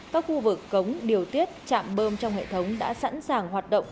các khu vực cống điều tiết chạm bơm trong hệ thống đã sẵn sàng hoạt động